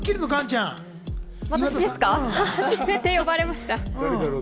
初めて呼ばれました。